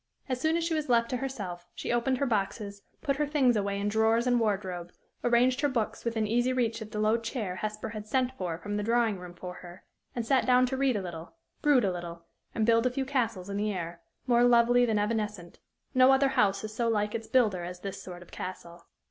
As soon as she was left to herself, she opened her boxes, put her things away in drawers and wardrobe, arranged her books within easy reach of the low chair Hesper had sent for from the drawing room for her, and sat down to read a little, brood a little, and build a few castles in the air, more lovely than evanescent: no other house is so like its builder as this sort of castle.